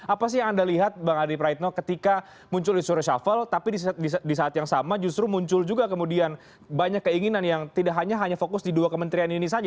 apa sih yang anda lihat bang adi praitno ketika muncul isu reshuffle tapi di saat yang sama justru muncul juga kemudian banyak keinginan yang tidak hanya fokus di dua kementerian ini saja